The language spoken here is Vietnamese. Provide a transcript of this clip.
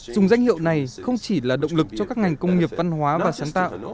dùng danh hiệu này không chỉ là động lực cho các ngành công nghiệp văn hóa và sáng tạo